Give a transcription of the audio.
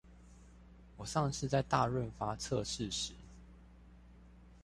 我上次在大潤發測試時